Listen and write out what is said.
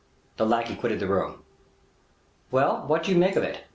The lackey quitted the room. "Well, what do you think of it?"